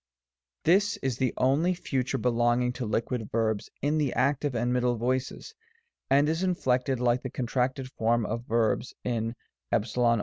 This is the only Future belonging to Liquid Verbs in the Active and Middle voices, and is inflected like the contracted form of verbs in s g)* III.